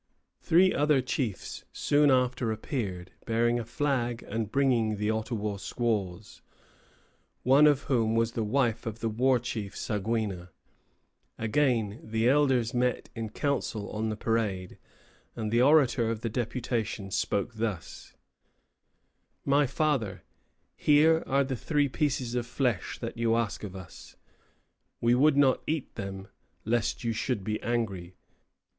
Three other chiefs soon after appeared, bearing a flag and bringing the Ottawa squaws, one of whom was the wife of the war chief, Saguina. Again the elders met in council on the parade, and the orator of the deputation spoke thus: "My father, here are the three pieces of flesh that you ask of us. We would not eat them, lest you should be angry.